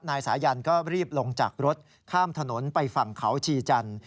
นายสายันก็รีบลงจากรถข้ามถนนไปฝั่งเขาชีจันทร์